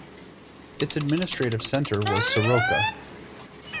Its administrative centre was Soroca.